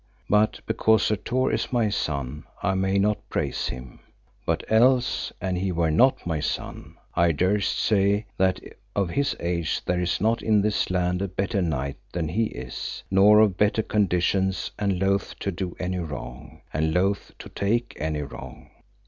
But because Sir Tor is my son I may not praise him, but else, an he were not my son, I durst say that of his age there is not in this land a better knight than he is, nor of better conditions and loath to do any wrong, and loath to take any wrong.